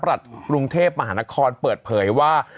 กรุงเทพมหานครเปิดเผยว่า